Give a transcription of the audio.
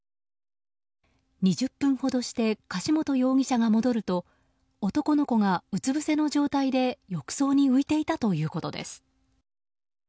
２０分ほどして柏本容疑者が戻ると男の子がうつ伏せの状態で浴槽に浮いていたということです。